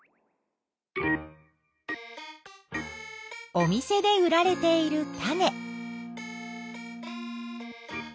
お店で売られている種。